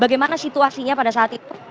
bagaimana situasinya pada saat itu